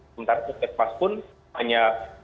sementara puskesmas pun hanya